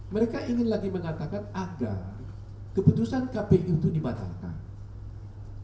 mereka ingin lagi mengatakan agar keputusan kpu itu dibatalkan